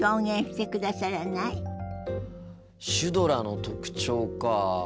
シュドラの特徴か。